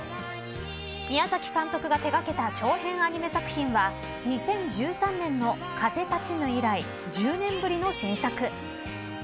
宮崎監督が手掛けた長編アニメ作品は２０１３年の、風立ちぬ以来１０年ぶりの新作。